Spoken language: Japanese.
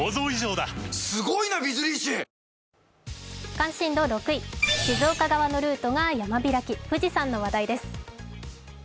関心度６位、静岡側のルートが山開き富士山の話題です。